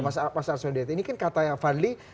mas ars mendi ini kan kata yang fadli